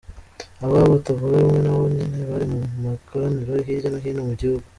Abo batavuga rumwe nabo nyene bari mu makoraniro hirya no hino mu gihugu.